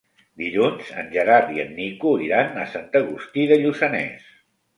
Dilluns en Gerard i en Nico iran a Sant Agustí de Lluçanès.